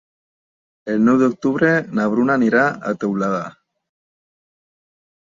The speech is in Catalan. El nou d'octubre na Bruna anirà a Teulada.